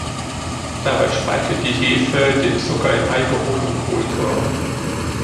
Dabei spaltet die Hefe den Zucker in Alkohol und Kohlensäure.